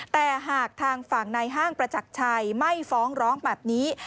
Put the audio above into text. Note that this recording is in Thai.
แต่หากทางฝั่งในห้างประจักรชัยไม่ฟ้องร้องแบบนี้